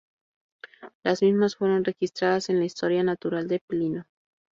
Las mismas fueron registradas en la Historia Natural de Plinio.